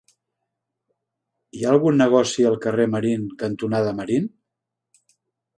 Hi ha algun negoci al carrer Marín cantonada Marín?